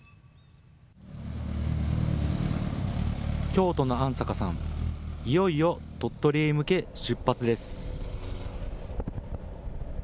京都の安坂さん、いよいよ鳥取へ向け出発です。